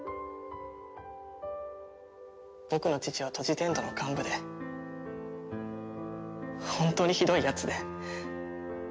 僕の父はトジテンドの幹部で本当にひどいやつで。